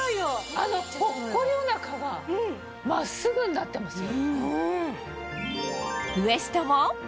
あのぽっこりおなかが真っすぐになってますよ。